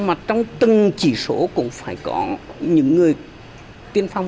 mà trong từng chỉ số cũng phải có những người tiên phong